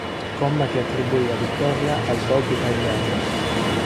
Comma che attribuì la vittoria al bob italiano.